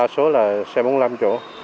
số là xe bốn mươi năm chỗ